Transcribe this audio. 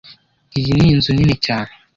Iyi ni inzu nini cyane